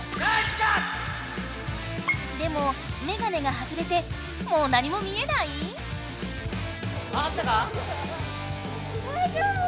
でもメガネが外れてもう何も見えない⁉あったか？